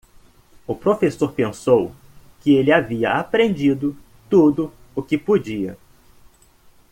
O professor pensou que ele havia aprendido tudo o que podia.